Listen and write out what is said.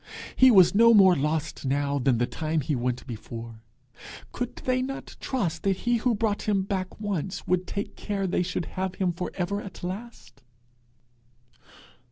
He was no more lost now than the time he went before! Could they not trust that he who brought him back once would take care they should have him for ever at last!'